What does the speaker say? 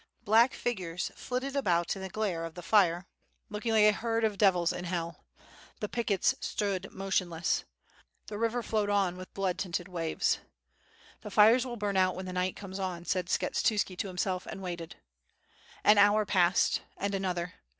Black figures 'flitted about in the glare of the fire, looking like a herd of devils in hell. The pickets stood motionless. The river flowed on with blood tinted waves. "The fires will burn out when the night comes on," said Skshetuski to himself, and waited. An hour passed, and another.